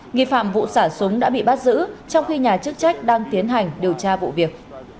nghi phạm vụ xả súng đã bị bắt giữ trong khi nhà chức trách đang tiến hành điều tra vụ việc